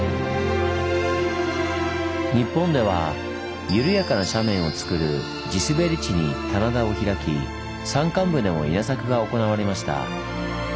日本ではゆるやかな斜面をつくる地すべり地に棚田を開き山間部でも稲作が行われました。